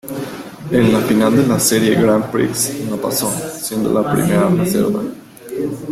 En la final de la serie Grand Prix, no pasó, siendo la primera reserva.